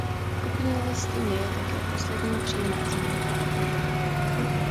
V kupní listině je také poslední přímá zmínka o pivovaru.